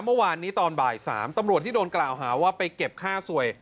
เมื่อวานนี้ตอนบ่าย๓ตำรวจที่โดนกล่าวหาว่าไปเก็บค่าสวย